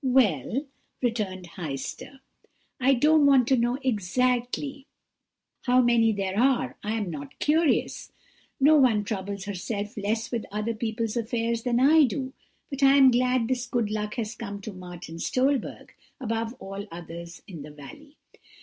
"'Well,' returned Heister, 'I don't want to know exactly how many there are I am not curious; no one troubles herself less with other people's affairs than I do; but I am glad this good luck has come to Martin Stolberg, above all others in the valley.'